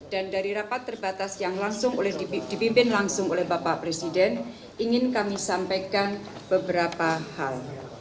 dan dari rapat terbatas yang dipimpin langsung oleh bapak presiden ingin kami sampaikan beberapa hal